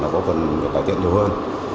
có phần cải thiện nhiều hơn